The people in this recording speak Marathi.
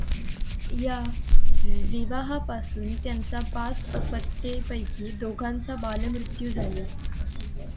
या विवाहापासून त्यांना पाच अपत्ये पैकी दोघांचा बालमृत्यू झाली.